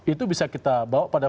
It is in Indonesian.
itu bisa kita bawa pada